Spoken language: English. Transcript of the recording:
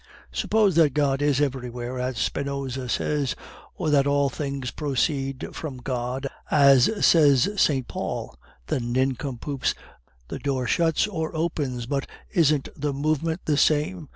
Suppose that God is everywhere, as Spinoza says, or that all things proceed from God, as says St. Paul... the nincompoops, the door shuts or opens, but isn't the movement the same?